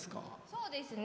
そうですね。